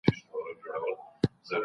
سياسي نظريات بايد د خلګو په ګټه وي.